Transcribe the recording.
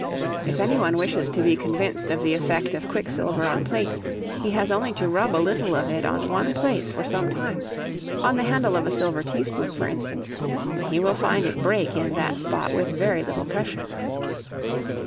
If any one wishes to be convinced of the effect of quicksilver on plate, he has only to rub a little of it on one place for some time, on the handle of a silver teaspoon for instance, and he will find it break in that spot with very little pressure.